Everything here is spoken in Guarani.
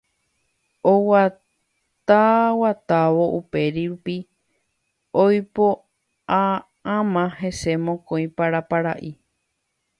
Oguataguatávo upérupi ipopa'ãma hese mokõi parapara'i